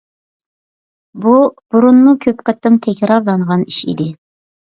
بۇ، بۇرۇنمۇ كۆپ قېتىم تەكرارلانغان ئىش ئىدى.